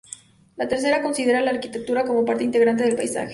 La tercera considera la arquitectura como parte integrante del paisaje.